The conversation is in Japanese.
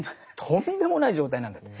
とんでもない状態なんだと。